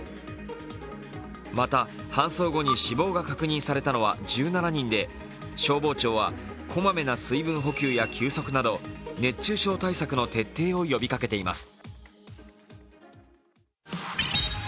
また、搬送後に死亡が確認されたのは１７人で消防庁はこまめな水分補給や休息など、熱中症対策の徹底を呼びかけています。